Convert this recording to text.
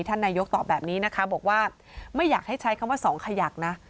ท่านนายกตอบแบบนี้นะคะบอกว่าไม่อยากให้ใช้คำว่าสองขยักนะ